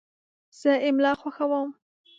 زه املا خوښوم.